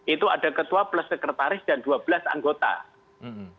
itu ada ketua plus sekretaris dan dua belas anggota